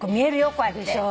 こうやって。